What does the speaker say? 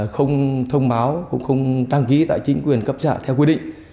không thông báo cũng không đăng ký tại chính quyền cấp xã theo quy định